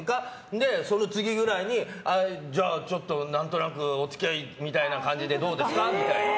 で、その次ぐらいにじゃあ、ちょっと何となくお付き合いみたいな感じでどうですか、みたいな。